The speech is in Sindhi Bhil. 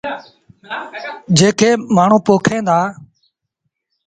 جيڪي مآڻهوٚݩ پوکين دآ۔